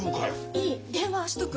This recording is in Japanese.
いい電話しとく。